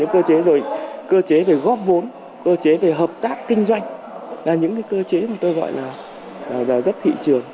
cơ chế về góp vốn cơ chế về hợp tác kinh doanh là những cơ chế mà tôi gọi là rất thị trường